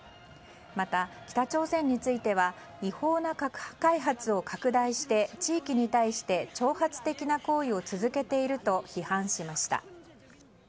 また、北朝鮮については違法な核開発を拡大して地域に対して挑発的な行為を続けていると批判しました。